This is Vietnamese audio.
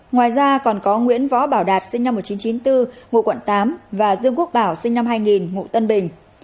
ngoài ra còn có nguyễn võ bảo đạt sinh năm một nghìn chín trăm chín mươi bốn ngụ quận tám và dương quốc bảo sinh năm hai nghìn ngụ tân bình